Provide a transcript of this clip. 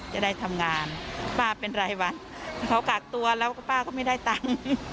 จะได้ทำงานป้าเป็นรายวันเขากักตัวแล้วก็ป้าก็ไม่ได้ตังค์